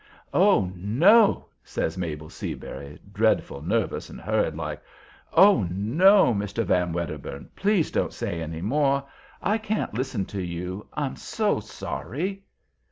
"Oh, no!" says Mabel Seabury, dreadful nervous and hurried like; "oh, no! Mr. Van Wedderburn, please don't say any more. I can't listen to you, I'm so sorry."